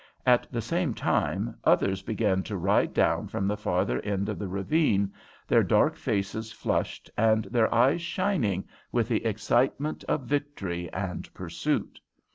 At the same time others began to ride down from the farther end of the ravine, their dark faces flushed and their eyes shining with the excitement of victory and pursuit.